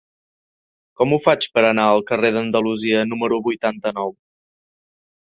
Com ho faig per anar al carrer d'Andalusia número vuitanta-nou?